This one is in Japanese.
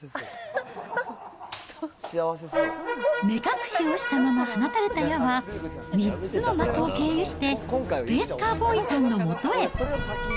目隠しをしたまま放たれた矢は、３つの的を経由してスペース・カウボーイさんのもとへ。